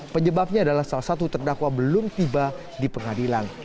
penyebabnya adalah salah satu terdakwa belum tiba di pengadilan